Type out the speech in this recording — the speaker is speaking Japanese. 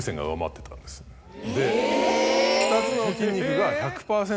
で２つの筋肉が１００％